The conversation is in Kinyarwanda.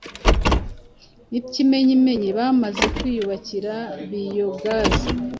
N’ikimenyimenyi bamaze kwiyubakira biyogazi